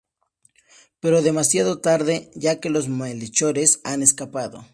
Pero demasiado tarde, ya que los malhechores han escapado.